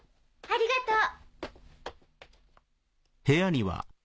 ありがとう。